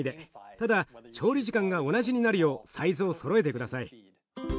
ただ調理時間が同じになるようサイズをそろえて下さい。